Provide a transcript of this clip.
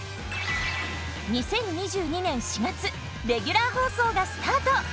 ２０２２年４月レギュラー放送がスタート！